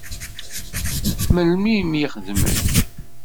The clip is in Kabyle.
Melmi i m-yexdem ayenni?